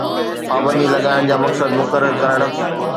پابندي لڳائڻ جا مقصد مقرر ڪرڻ